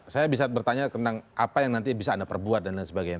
saya bisa bertanya tentang apa yang nanti bisa anda perbuat dan lain sebagainya